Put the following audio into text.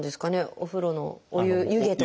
お風呂のお湯湯気とか。